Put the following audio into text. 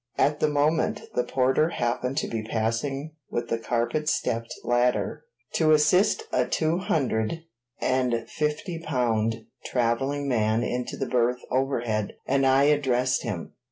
At the moment the porter happened to be passing with the carpet stepped ladder to assist a two hundred and fifty pound traveling man into the berth overhead, and I addressed him.